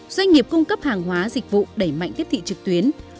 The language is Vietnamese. doanh nghiệp cung cấp hàng hóa dịch vụ đẩy mạnh tiếp thị trực tuyến